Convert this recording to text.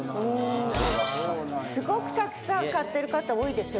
すごくたくさん買ってる方多いですよ。